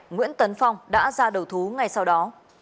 nguyễn tấn phong đã ra đầu thú ngay sau đó